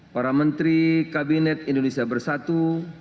para menteri kabinet indonesia bersatu